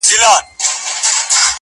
مگر سر ستړی په سودا مات کړي,